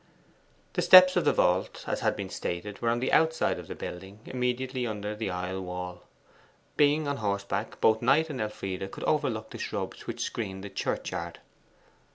The steps to the vault, as has been stated, were on the outside of the building, immediately under the aisle wall. Being on horseback, both Knight and Elfride could overlook the shrubs which screened the church yard.